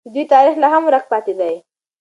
د دوی تاریخ لا هم ورک پاتې دی.